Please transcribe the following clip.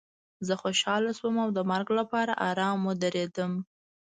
زه خوشحاله شوم او د مرګ لپاره ارام ودرېدم